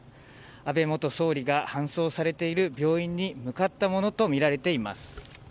安倍元総理が搬送されている病院に向かったものとみられています。